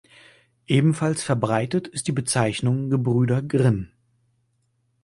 Ebenfalls verbreitet ist die Bezeichnung Gebrüder Grimm.